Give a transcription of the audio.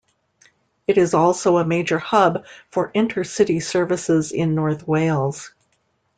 It is also a major hub for inter-city services in North Wales.